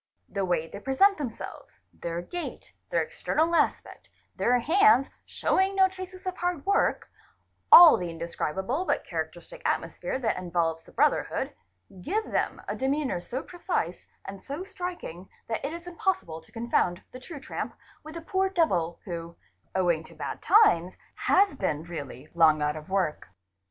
'The way they pre sent themselves, their gait, their external aspect, their hands showing 'no traces of hard work, all the indescribable but characteristic atmosphere that envelopes the brotherhood, give them a demeanour so precise and so striking that it is impossible to confound the true tramp with the poor devil who, owing to bad times, has been really long out of work.